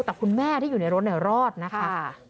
แต่คุณแม่ที่อยู่ในรถรอดนะคะ